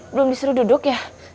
belum disuruh duduk ya